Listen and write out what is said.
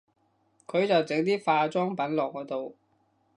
佢就整啲化妝品落我度